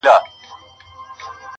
غزل – عبدالباري جهاني!